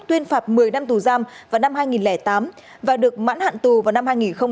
tuyên phạt một mươi năm tù giam vào năm hai nghìn tám và được mãn hạn tù vào năm hai nghìn một mươi